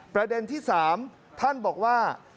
ประเด็นที่๓ท่านบอกว่า